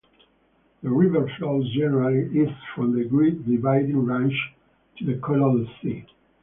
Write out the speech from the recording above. The river flows generally east from the Great Dividing Range to the Coral Sea.